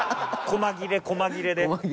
細切れ細切れで。